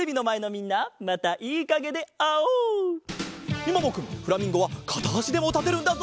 みももくんフラミンゴはかたあしでもたてるんだぞ！